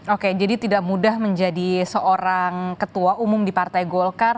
oke jadi tidak mudah menjadi seorang ketua umum di partai golkar